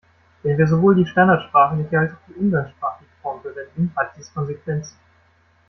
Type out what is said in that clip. Wenn wir sowohl die standardsprachliche als auch die umgangssprachliche Form verwenden, hat dies Konsequenzen.